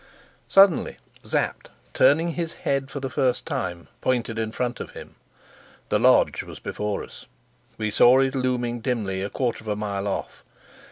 Suddenly Sapt, turning his head for the first time, pointed in front of him. The lodge was before us; we saw it looming dimly a quarter of a mile off.